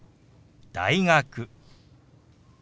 「大学」。